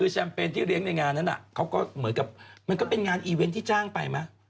แชมเปญที่เลี้ยงในงานนั้นเขาก็เหมือนกับมันก็เป็นงานอีเวนต์ที่จ้างไปมั้ย